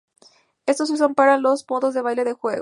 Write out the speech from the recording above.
Estos se usan para los modos de baile del juego.